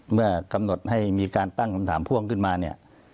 เมื่อกำหนดให้มีการตั้งคำถามพ่วงขึ้นมาเนี่ย